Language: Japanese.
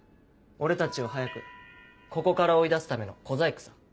俺たちを早くここから追い出すための小細工さ。